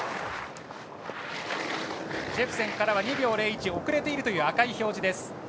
ジェプセンからは２秒０１遅れているという赤い表示。